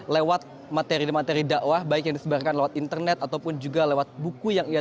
lewat materi materi dakwah baik yang disebarkan lewat internet ataupun juga lewat buku yang ia